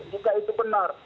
jika itu benar